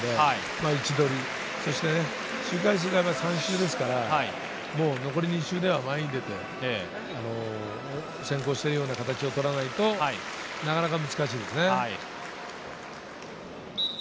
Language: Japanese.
位置取り、周回数は３周ですから、残り２周では前に出て、先行しているような形をとらないとなかなか難しいです。